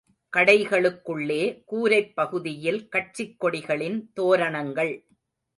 கடைகளுக்குள்ளே, கூரைப்பகுதியில் கட்சிக் கொடிகளின் தோரணங்கள்.